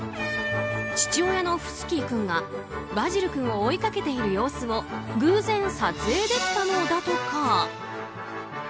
父親のフスキー君がバジル君を追いかけている様子を偶然撮影できたのだとか。